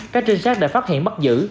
các trinh sát đã phát hiện mất giữ